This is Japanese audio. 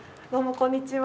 こんにちは。